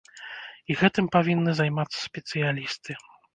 І гэтым павінны займацца спецыялісты.